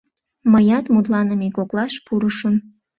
Мыят мутланыме коклаш пурышым.